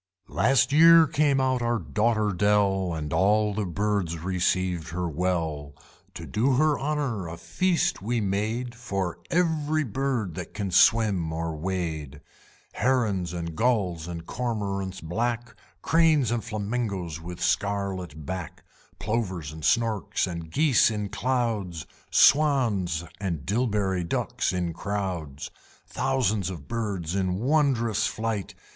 Last year came out our Daughter Dell, And all the Birds received her well. To do her honor a feast we made For every bird that can swim or wade, Herons and Gulls, and Cormorants black, Cranes, and Flamingoes with scarlet back, Plovers and Storks, and Geese in clouds, Swans and Dilberry Ducks in crowds: Thousands of Birds in wondrous flight!